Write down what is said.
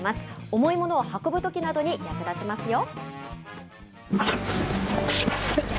重いものを運ぶときなどに役立ちますよ。